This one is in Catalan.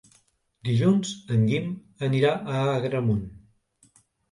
Dilluns en Guim anirà a Agramunt.